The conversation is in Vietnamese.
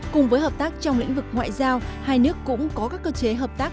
cùng với hợp tác trong lĩnh vực ngoại giao hai nước cũng có các cơ chế hợp tác